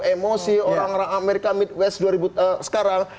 emosi orang orang amerika midwest sekarang